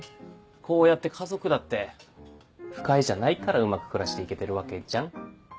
こうやって家族だって不快じゃないからうまく暮らしていけてるわけじゃん。